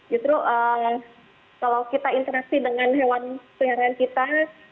justru kalau kita interaksi dengan hewan peliharaan kita